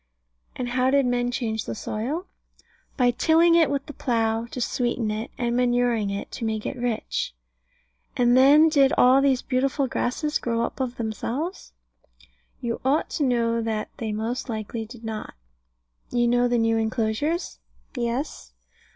And how did men change the soil? By tilling it with the plough, to sweeten it, and manuring it, to make it rich. And then did all these beautiful grasses grow up of themselves? You ought to know that they most likely did not. You know the new enclosures? Yes.